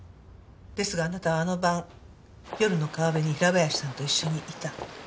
ですがあなたあの晩夜の川辺に平林さんと一緒にいた。